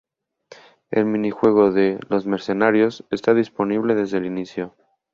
El minijuego de "Los mercenarios" está disponible desde el inicio.